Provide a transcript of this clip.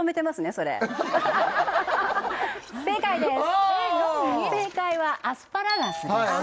正解はアスパラガスです